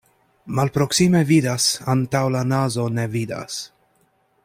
Malproksime vidas, antaŭ la nazo ne vidas.